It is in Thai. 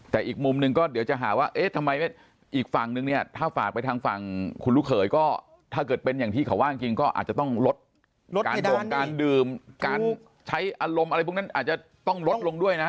แต่อีกมุมหนึ่งก็เดี๋ยวจะหาว่าเอ๊ะทำไมอีกฝั่งนึงเนี่ยถ้าฝากไปทางฝั่งคุณลูกเขยก็ถ้าเกิดเป็นอย่างที่เขาว่าจริงก็อาจจะต้องลดการด่งการดื่มการใช้อารมณ์อะไรพวกนั้นอาจจะต้องลดลงด้วยนะ